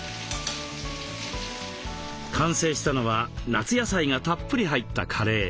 完成したのは夏野菜がたっぷり入ったカレー。